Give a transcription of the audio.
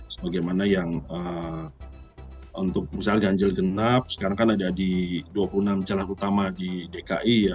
sebagaimana yang untuk misalnya ganjil genap sekarang kan ada di dua puluh enam jalan utama di dki ya